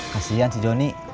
kasian si jonny